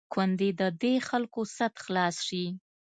کوندي د دې خلکو سد خلاص شي.